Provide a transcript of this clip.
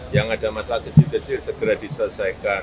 yang ada masalah kecil kecil segera diselesaikan